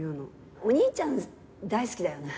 お兄ちゃん大好きだよね。